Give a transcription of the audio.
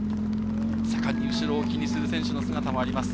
盛んに後ろを気にする選手の姿もあります。